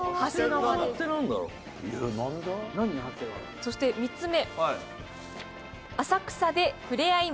そして３つ目。